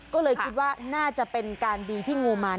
ก็เลยคิดว่าน่าจะเป็นการดีที่งูมาร